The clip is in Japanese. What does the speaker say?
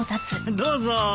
どうぞ。